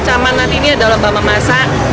zaman nanti ini ada lomba memasak